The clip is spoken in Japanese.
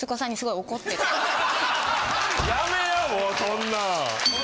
やめやもうそんなん。